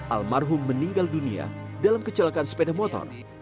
almarhum meninggal dunia dalam kecelakaan sepeda motor